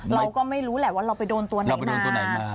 เราก็ไม่รู้แหละว่าเราไปโดนตัวไหนมา